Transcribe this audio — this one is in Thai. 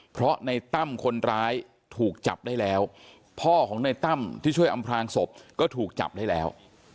เพราะในตั้มคนร้ายถูกจับได้แล้วพ่อของในตั้มที่ช่วยอำพลางศพก็ถูกจับได้แล้ว